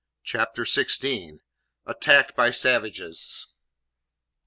CHAPTER SIXTEEN. ATTACKED BY SAVAGES.